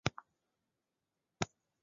安明县是越南坚江省下辖的一个县。